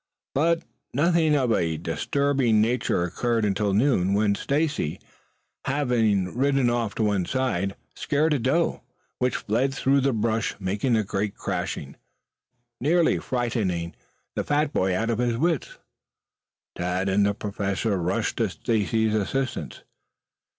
But nothing of a disturbing nature occurred until near noon, when Stacy, having ridden off to one side, scared a doe, which fled through the brush making a great crashing, nearly frightening the fat boy out of his wits. Tad and the Professor rushed to Stacy's assistance.